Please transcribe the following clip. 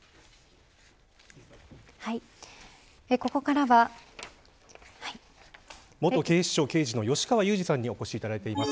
ここからは元警視庁刑事の吉川祐二さんにお越しいただいております。